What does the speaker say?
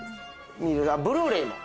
ブルーレイも。